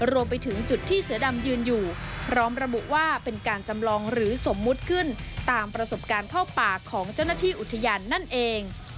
รวมไปถึงจุดที่เสือดำยืนอยู่พร้อมระบุว่าเป็นการจำลองหรือสมมุติขึ้นตามประสบการณ์เข้าป่าของเจ้าหน้าที่อุทยานนั่นเอง